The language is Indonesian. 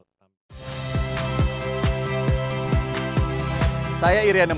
saya iryana mardanus saksikan program program kompas tv melalui siaran digital